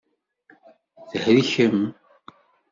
Thelkem?